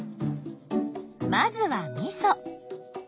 まずはみそ。